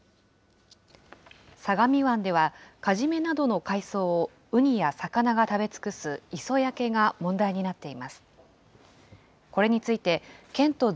相模湾では、カジメなどの海藻をウニや魚が食べ尽くす、磯焼けが問題になっています。